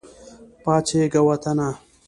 پاڅیږه وطنه !